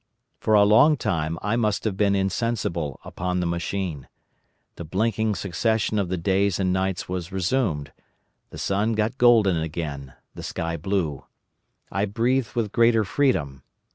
For a long time I must have been insensible upon the machine. The blinking succession of the days and nights was resumed, the sun got golden again, the sky blue. I breathed with greater freedom.